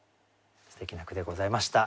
すてきな句でございました。